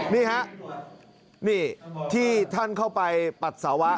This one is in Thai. นี่ฮะนี่ที่ท่านเข้าไปปัสสาวะ